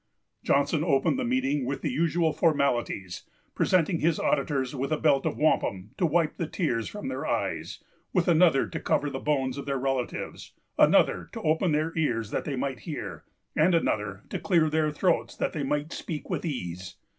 Johnson opened the meeting with the usual formalities, presenting his auditors with a belt of wampum to wipe the tears from their eyes, with another to cover the bones of their relatives, another to open their ears that they might hear, and another to clear their throats that they might speak with ease.